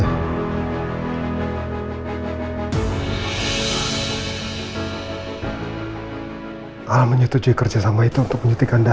alhamdulillah menyetujui kerja sama itu untuk menyutikan dana